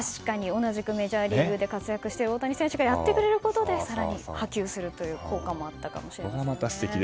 同じくメジャーリーグで活躍している大谷選手がやってくれることで更に波及する効果もあったかもしれません。